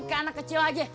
ke anak kecil aja